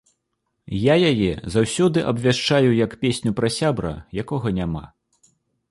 Я яе заўсёды абвяшчаю як песню пра сябра, якога няма.